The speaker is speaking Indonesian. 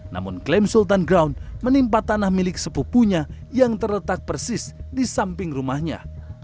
namun klaim sultan ground menimpa tanah milik sepupunya yang terletak persis di samping rumahnya